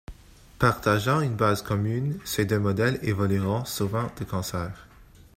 Partageant une base commune, ces deux modèles évolueront souvent de concert.